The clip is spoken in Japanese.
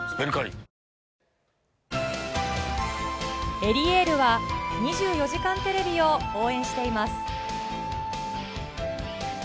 エリエールは２４時間テレビを応援しています。